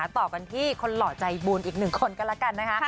ต่อกันที่คนหล่อใจบุญอีกหนึ่งคนกันแล้วกันนะคะ